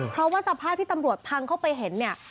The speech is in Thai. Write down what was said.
เพราะว่าสภาพที่ตำรวจพังเข้าไปเห็นเนี่ย